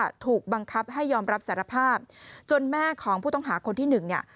ถูกบังคับให้ยอมรับสารภาพจนแม่ของผู้ต้องหาคนที่หนึ่งเนี่ย